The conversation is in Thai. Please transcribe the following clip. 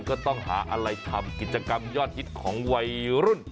ก็ต้องหาอะไรทำกิจกรรมยอดฮิตของวัยรุ่น